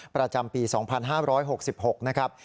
ประจำปี๒๕๖๖นะครับ